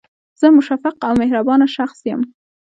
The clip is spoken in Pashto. زه مشفق او مهربانه شخص یم